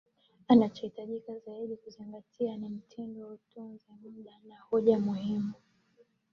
Anachohitajika zaidi kuzingatia ni mtindo wa utunzi mada na hoja muhimu.